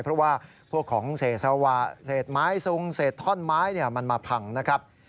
เพราะว่าพวกของเศษสวะเศษไม้ซุงเศษท่อนไม้มันมาพังนะครับ